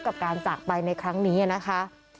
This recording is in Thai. กับการจากไปในครั้งนี้นะคะ